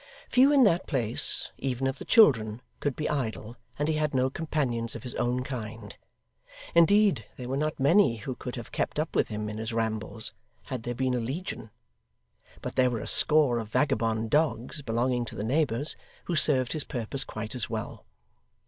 Few in that place, even of the children, could be idle, and he had no companions of his own kind. Indeed there were not many who could have kept up with him in his rambles, had there been a legion. But there were a score of vagabond dogs belonging to the neighbours, who served his purpose quite as well.